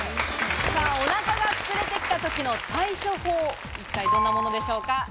おなかが膨れてきたときの対処法、一体どんなものでしょうか？